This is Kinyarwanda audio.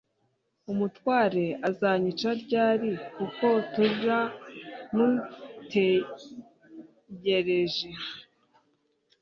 Umutware azanyica ryari kuko tura mutejyereje.